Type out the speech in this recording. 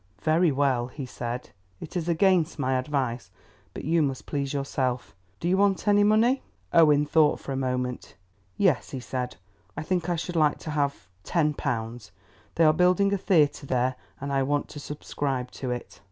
"Very well," he said; "it is against my advice, but you must please yourself. Do you want any money?" Owen thought for a moment. "Yes," he said, "I think I should like to have ten pounds. They are building a theatre there, and I want to subscribe to it."